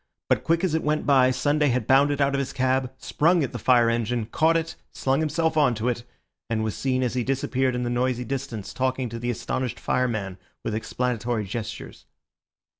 But quick as it went by, Sunday had bounded out of his cab, sprung at the fire engine, caught it, slung himself on to it, and was seen as he disappeared in the noisy distance talking to the astonished fireman with explanatory gestures.